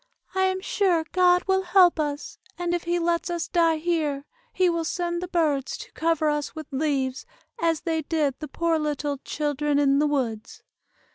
"I am sure God will help us, and if he lets us die here, he will send the birds to cover us with leaves, as they did the poor little 'children in the woods.